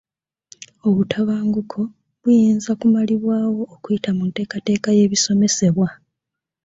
Obutabanguko buyinza kumalibwawo okuyita mu nteekateeka y'ebisomesebwa.